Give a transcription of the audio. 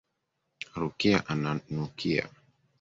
Rukia ananukia.